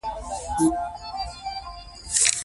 زه د خپلو ملګرو سره د علم په اړه خبرې کوم.